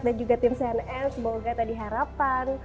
dan juga tim cnn semoga tadi harapan